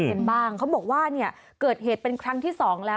เห็นบ้างเขาบอกว่าเกิดเหตุเป็นครั้งที่๒แล้ว